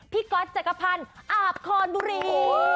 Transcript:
ก๊อตจักรพันธ์อาบคอนบุรี